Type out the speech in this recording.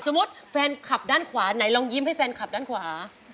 แฟนคลับด้านขวาไหนลองยิ้มให้แฟนคลับด้านขวา